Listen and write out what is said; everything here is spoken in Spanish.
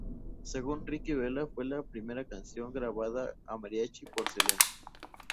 Según Ricky Vela, "fue la primera canción grabada a mariachi por Selena".